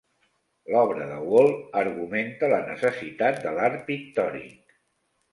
L'obra de Wall argumenta la necessitat de l'art pictòric.